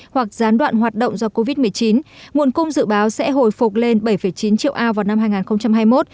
hoặc gián đoạn hoạt động do covid một mươi chín nguồn cung dự báo sẽ hồi phục lên bảy chín triệu ao vào năm hai nghìn hai mươi một